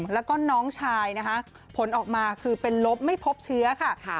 แล้วก็น้องชายนะคะผลออกมาคือเป็นลบไม่พบเชื้อค่ะ